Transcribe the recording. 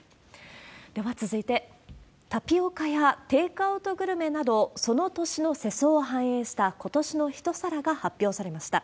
では続いて、タピオカやテイクアウトグルメなど、その年の世相を反映した今年の一皿が発表されました。